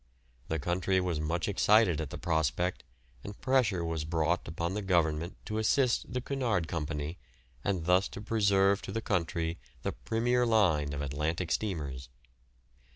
The country was much excited at the prospect, and pressure was brought upon the Government to assist the Cunard Company, and thus to preserve to the country the "premier" line of Atlantic steamers.